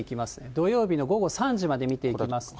土曜日の午後３時まで見ていきますと。